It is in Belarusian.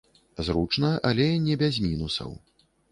Зручна, але не без мінусаў.